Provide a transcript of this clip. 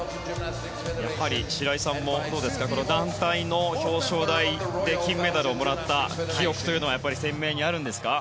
白井さんも団体の表彰台で金メダルをもらった記憶というのは鮮明にあるんですか？